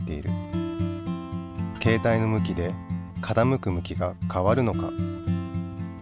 けい帯の向きで傾く向きが変わるのか？